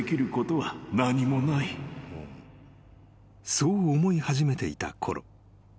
［そう思い始めていたころ］